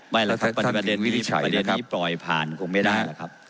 ไม่แล้วครับประเด็นนี้ปล่อยผ่านคงไม่ได้แหละครับ